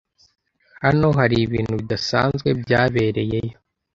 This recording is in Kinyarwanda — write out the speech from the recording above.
Hano hari ibintu bidasanzwe byabereyeyo.